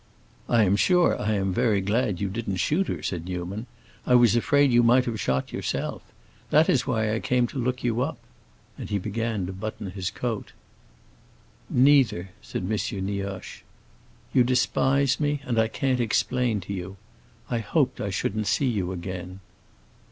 "I am sure I am very glad you didn't shoot her," said Newman. "I was afraid you might have shot yourself. That is why I came to look you up." And he began to button his coat. "Neither," said M. Nioche. "You despise me, and I can't explain to you. I hoped I shouldn't see you again."